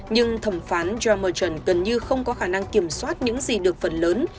nhưng thẩm phán john merchant gần như không có khả năng kiểm soát những gì được phần lớn